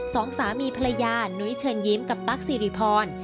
สองสามีภรรยานุ้ยเชิญยิ้มกับตั๊กสิริพร